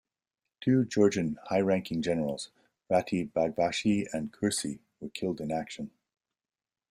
Two Georgian high-ranking generals, Rati Baghvashi and Khursi were killed in action.